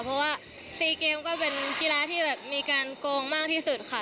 เพราะว่า๔เกมก็เป็นกีฬาที่แบบมีการโกงมากที่สุดค่ะ